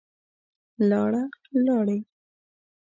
لاړه, لاړې